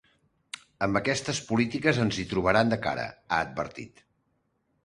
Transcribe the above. “Amb aquestes polítiques ens hi trobaran de cara”, ha advertit.